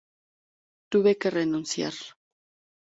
Tuve que renunciar.